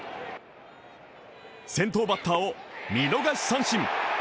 先頭バッターを見逃し三振。